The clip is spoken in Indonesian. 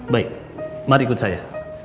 baik mari ikut saya